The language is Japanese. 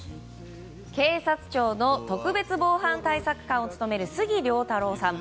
警察庁の特別防犯対策監を務める杉良太郎さん。